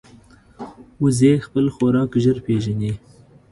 وزې خپل خوراک ژر پېژني